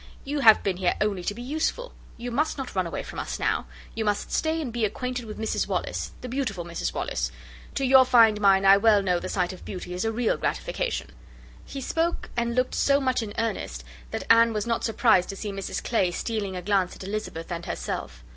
You have been here only to be useful. You must not run away from us now. You must stay to be acquainted with Mrs Wallis, the beautiful Mrs Wallis. To your fine mind, I well know the sight of beauty is a real gratification." He spoke and looked so much in earnest, that Anne was not surprised to see Mrs Clay stealing a glance at Elizabeth and herself.